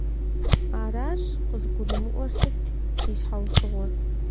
Аращ къызгурымыӀуэр, сыт и щхьэусыгъуэр?